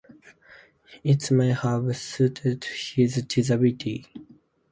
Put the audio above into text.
It may have suited his disability.